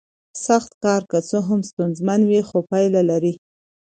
سخت کار که څه هم ستونزمن وي خو پایله لري